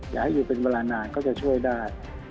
อยากให้อยู่เป็นเวลานานก็จะช่วยได้